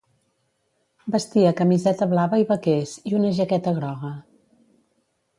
Vestia camiseta blava i vaquers, i una jaqueta groga.